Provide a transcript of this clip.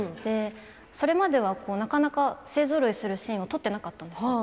それまではなかなか勢ぞろいするシーンを撮っていなかったんですよ。